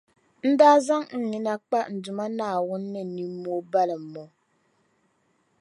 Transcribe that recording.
n daa zaŋ n nina kpa n Duuma Naawuni ni nimmoo m-balim’ o.